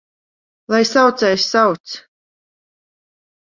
Lai saucējs sauc!